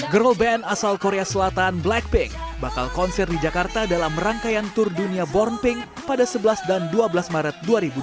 girl band asal korea selatan blackpink bakal konser di jakarta dalam rangkaian tour dunia born pink pada sebelas dan dua belas maret dua ribu dua puluh